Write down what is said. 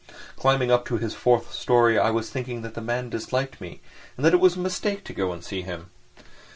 Climbing up to his fourth storey I was thinking that the man disliked me and that it was a mistake to go and see him.